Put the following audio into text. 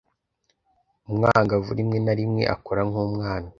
Umwangavu rimwe na rimwe akora nk'umwana.